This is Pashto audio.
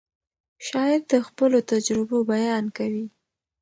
شاعر د خپلو تجربو بیان کوي.